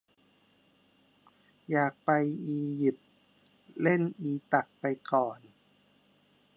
อยากไปอียิปต์ เล่นอีตักไปก่อน